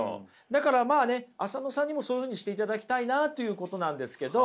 だからまあね浅野さんにもそういうふうにしていただきたいなということなんですけど。